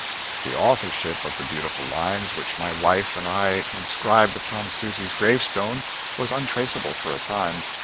The authorship of the beautiful lines which my wife and I inscribed upon Susy's gravestone was untraceable for a time.